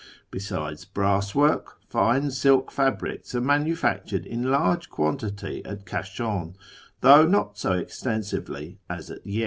Besides brass work, fine silk fabrics are manufactured in large cpiantity at K;isluin, though not so extensively as at Yezd.